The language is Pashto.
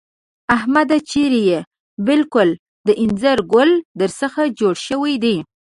احمده! چېرې يې؟ بالکل د اينځر ګل در څخه جوړ شوی دی.